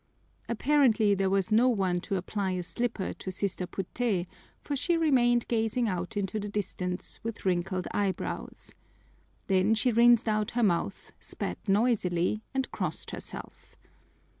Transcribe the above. Apparently there was no one to apply a slipper to Sister Puté, for she remained gazing out into the distance with wrinkled eyebrows. Then she rinsed out her mouth, spat noisily, and crossed herself.